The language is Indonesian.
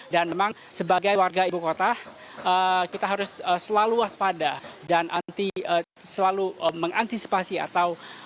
dan memang sebagai warga ibu kota kita harus selalu waspada dan selalu mengantisipasi atau